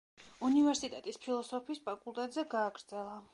უნივერსიტეტის ფილოსოფიის ფაკულტეტზე გააგრძელა.